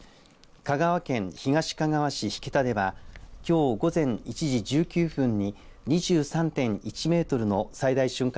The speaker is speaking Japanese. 香川県東かがわ市引田ではきょう午前１時１９分に２３．１メートルの最大瞬間